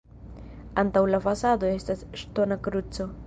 Antaŭ la fasado estas ŝtona kruco.